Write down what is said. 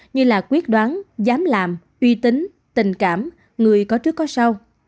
như là quyết đoán dám làm uy tín tình cảm người có trước có sau